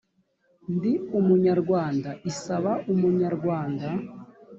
ndi umunyarwanda isaba abanyarwanda